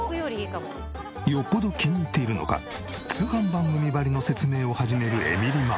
よっぽど気に入っているのか通販番組ばりの説明を始めるエミリママ。